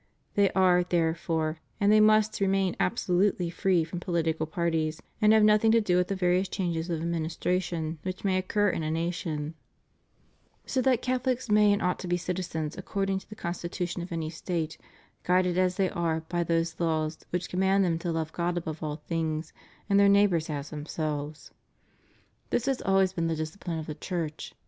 They are, therefore, and they must remain absolutely free from pohtical parties, and have nothing to do with the various changes of ad ministration which may occur in a nation; so that Catho Mcs may and ought to be citizens according to the con stitution of any State, guided as they are by those laws which command them to love God above all things, and their neighbors as themselves. This has always been the discipUne of the Church.